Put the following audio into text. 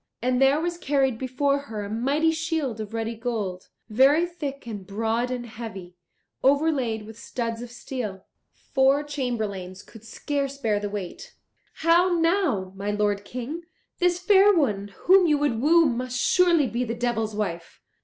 And there was carried before her a mighty shield of ruddy gold, very thick and broad and heavy, overlaid with studs of steel. Four chamberlains could scarce bear the weight. Sir Hagen, when he saw it, said, "How now, my lord King? this fair one whom you would woo must surely be the devil's wife.